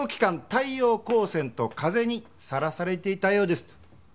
太陽光線と風に晒されていたようです。